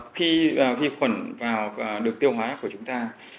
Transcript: khi vi khuẩn vào được tiêu hóa của chúng ta